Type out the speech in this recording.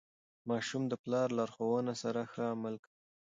ماشومان د پلار لارښوونو سره ښه عمل کوي.